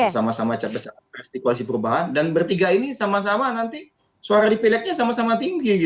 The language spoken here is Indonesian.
sama sama capres capres di koalisi perubahan dan bertiga ini sama sama nanti suara di pilegnya sama sama tinggi